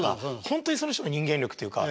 本当にその人の人間力っていうか。